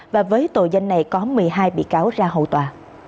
và với tội danh này có một mươi hai bị cáo ra hầu tòa